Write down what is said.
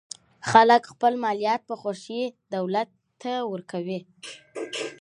خلک خپل مالیات په خوښۍ دولت ته ورکوي.